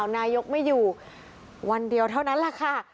ยังนายกรัฐมนตรีไม่อยู่วันเดียวเท่านั้นค่ะ